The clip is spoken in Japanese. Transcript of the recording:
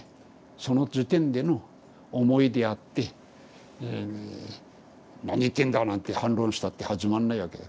その時点での思いであって「何言ってんだ」なんて反論したって始まんないわけだ。